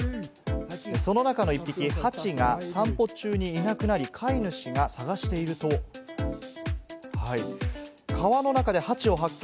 その中の１匹、ハチが散歩中にいなくなり、飼い主が探していると、川の中でハチを発見。